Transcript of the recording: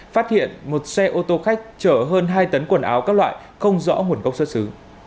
phát hiện một xe ô tô khách chở hơn hai tấn quần áo các loại không rõ nguồn gốc xuất xứ